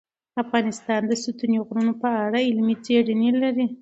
افغانستان د ستوني غرونه په اړه علمي څېړنې لري.